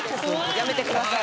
やめてください。